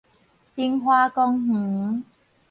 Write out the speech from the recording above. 榮華公園